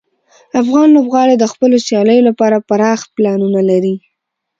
افغان لوبغاړي د خپلو سیالیو لپاره پراخ پلانونه لري.